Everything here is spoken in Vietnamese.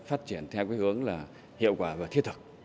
phát triển theo cái hướng là hiệu quả và thiết thực